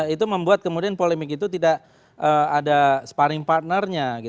itu membuat kemudian polemik itu tidak ada sparring partnernya